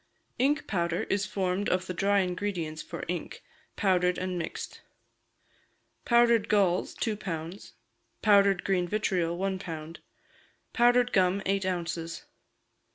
Ink powder is formed of the dry ingredients for ink, powdered and mixed. Powdered galls, two pounds; powdered green vitriol, one pound; powdered gum, eight ounces.